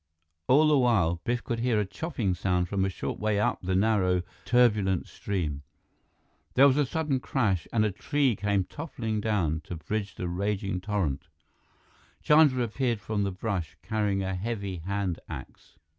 All the while, Biff could hear a chopping sound from a short way up the narrow, turbulent stream. There was a sudden crash, and a tree came toppling down to bridge the raging torrent. Chandra appeared from the brush, carrying a heavy hand axe.